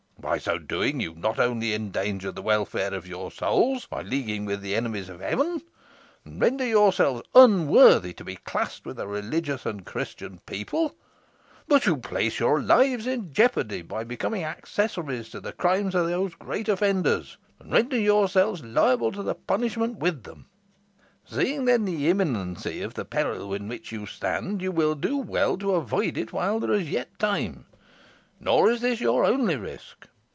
By so doing you not only endanger the welfare of your souls, by leaguing with the enemies of Heaven, and render yourselves unworthy to be classed with a religious and Christian people, but you place your lives in jeopardy by becoming accessories to the crimes of those great offenders, and render yourselves liable to like punishment with them. Seeing, then, the imminency of the peril in which you stand, you will do well to avoid it while there is yet time. Nor is this your only risk.